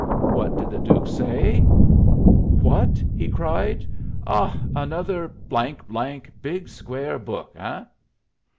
What did the duke say? "What?" he cried. "Ah, another big square book, eh?"